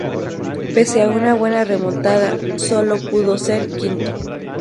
Pese a una buena remontada, sólo pudo ser quinto.